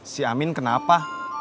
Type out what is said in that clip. si amin kenapa